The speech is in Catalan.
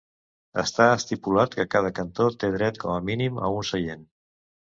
Està estipulat que cada cantó té dret, com a mínim, a un seient.